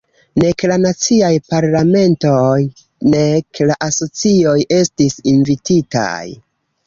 Nek la naciaj parlamentoj nek la asocioj estis invititaj.